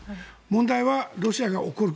問題はロシアが怒る。